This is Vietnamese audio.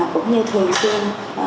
cũng như thường xuyên